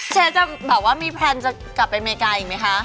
เชฟจะแบบว่ามีแพลนจะกลับไปอเมริกาอีกไหมคะ